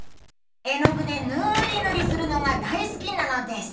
えのぐでぬりぬりするのがだいすきなのです。